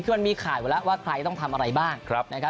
ที่ช่วงนี้ขายถึงวันแล้วว่าใครต้องทำอะไรบ้าง